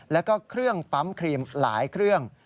แล้วก็เครื่องปั๊มครีมหลายเครื่อง